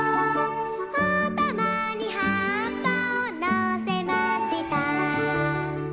「あたまにはっぱをのせました」